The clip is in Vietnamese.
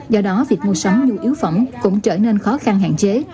do đó việc mua sống như yếu phẩm cũng trở nên khó khăn hạn chế